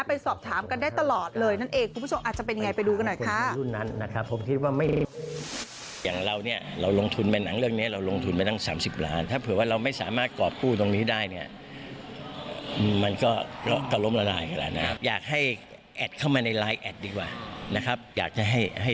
ไปสอบถามกันได้ตลอดเลยนั่นเองคุณผู้ชมอาจจะเป็นยังไงไปดูกันหน่อยค่ะ